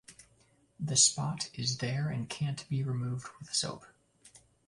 The spot is there and can’t be removed with soap.